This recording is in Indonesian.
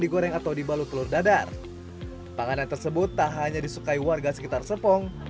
digoreng atau dibalut telur dadar makanan tersebut tak hanya disukai warga sekitar kidai catch